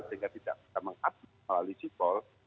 sehingga tidak bisa mengaktifkan oleh sipol